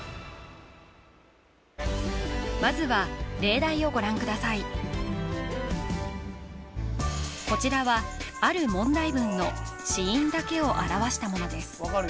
まずはこちらはある問題文の子音だけを表したものです